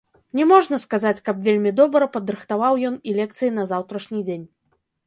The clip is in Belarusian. Не можна сказаць, каб вельмі добра падрыхтаваў ён і лекцыі на заўтрашні дзень.